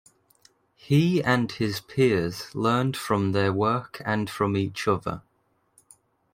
He and his peers learned from their work and from each other.